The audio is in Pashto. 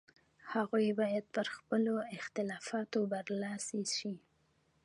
هغوی باید پر خپلو اختلافاتو برلاسي شي.